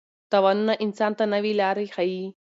تاوانونه انسان ته نوې لارې ښيي.